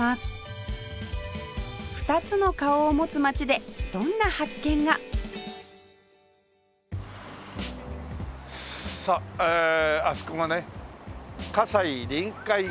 ２つの顔を持つ街でどんな発見が？えあそこがね「西臨海公園駅」。